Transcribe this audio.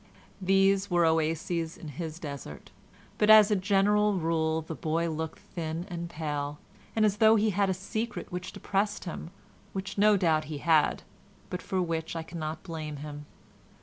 These were oases in his desert, but, as a general rule, the boy looked thin and pale, and as though he had a secret which depressed him, which no doubt he had, but for which I cannot blame him.